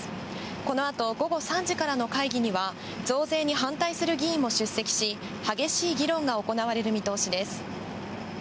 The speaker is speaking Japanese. このあと午後３時からの会議には、増税に反対する議員も出席し、激しい議論が行われる見通しです。